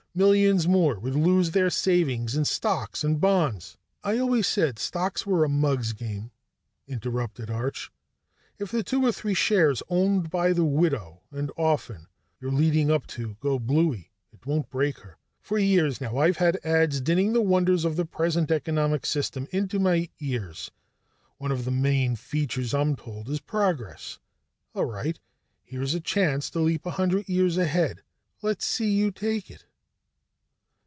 Millions more would lose their savings in stocks and bonds " "I always said stocks were a mug's game," interrupted Arch. "If the two or three shares owned by the widow and orphan you're leading up to go blooey, it won't break her. For years, now, I've had ads dinning the wonders of the present economic system into my ears. One of its main features, I'm told, is progress. All right, here's a chance to leap a hundred years ahead. Let's see you take it."